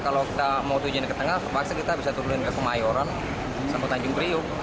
kalau kita mau tujuan ke tengah terpaksa kita bisa turunin ke kemayoran sampai tanjung priuk